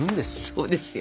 そうですよ。